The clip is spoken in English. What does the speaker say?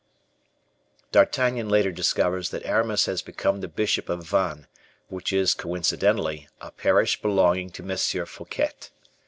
D'Artagnan later discovers that Aramis has become the bishop of Vannes, which is, coincidentally, a parish belonging to M. Fouquet.